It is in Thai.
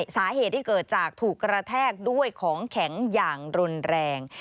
สาเหตุที่เกิดจากถูกกระแทกด้วยของแข็งอย่างรุนแรง